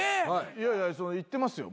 いやいや行ってますよ